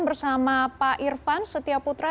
bersama pak irvan setiaputra